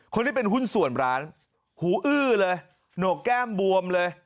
คนที่เป็นหุ้นส่วนร้านหูอื้อเลยโหนกแก้มบวมเลย